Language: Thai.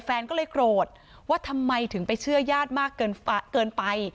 แฟนก็เลยโกรธว่าทำไมถึงไปเชื่อญาติมากเกินไป